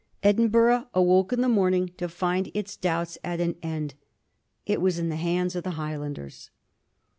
Edinburgh awoke in the morning to find its doubts at an end. It was in the hands of the Highlanders.